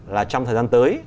là trong thời gian tới